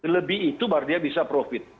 lebih itu berarti dia bisa profit